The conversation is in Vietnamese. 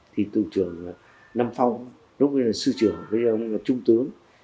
thì tư trưởng năm phong lúc đó là sư trưởng với ông trung tướng